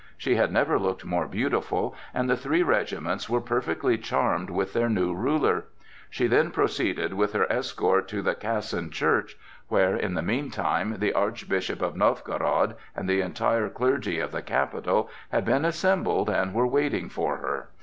She had never looked more beautiful, and the three regiments were perfectly charmed with their new ruler. She then proceeded with her escort to the Casan Church, where, in the meantime, the Archbishop of Novgorod and the entire clergy of the capital had been assembled and were waiting for her.